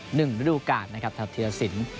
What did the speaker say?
หนึ่งรูปการณ์ครับถ้าเที่ยวสิน